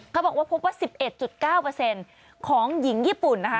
เขาบอกว่าพบว่า๑๑๙ของหญิงญี่ปุ่นนะคะ